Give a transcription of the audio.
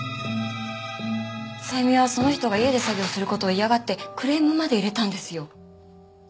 さゆみはその人が家で作業する事を嫌がってクレームまで入れたんですよ。